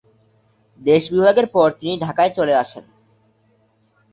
দেশবিভাগের পর তিনি ঢাকায় চলে আসেন।